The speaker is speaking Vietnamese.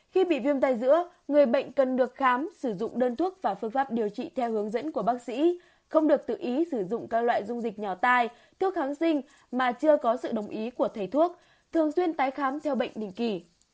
khi bị viêm tai dữa người bệnh cần được khám sử dụng đơn thuốc và phương pháp điều trị theo hướng dẫn của bác sĩ không được tự ý sử dụng các loại dung dịch nhỏ tai thuốc kháng sinh mà chưa có sự đồng ý của thầy thuốc thường xuyên tái khám theo bệnh định kỳ